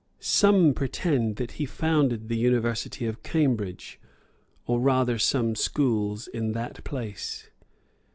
Some pretend that he founded the university of Cambridge, or rather some schools in that place.